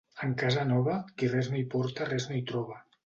En casa nova, qui res no hi porta res no hi troba.